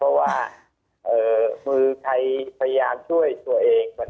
เพราะว่ามือใครพยายามช่วยตัวเอง